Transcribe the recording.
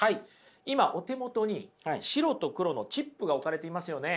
今お手元に白と黒のチップが置かれていますよね。